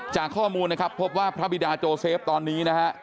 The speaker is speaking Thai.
จากข้อมูลนะครับพบว่าพระบิดาโจเซฟตอนนี้นะฮะ